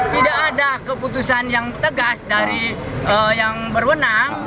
tidak ada keputusan yang tegas dari yang berwenang